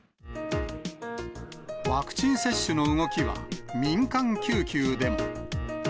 ワクチン接種の動きは、民間救急でも。